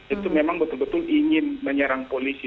itu memang betul betul ingin menyerang polisi